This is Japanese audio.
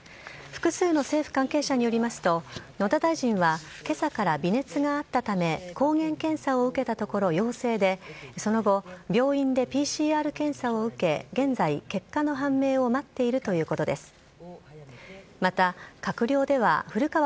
複数の政府関係者によりますと野田大臣は今朝から微熱があったため抗原検査を受けたところ、陽性でその後、病院でＰＣＲ検査を受け現在、結果の判明を待っているということです。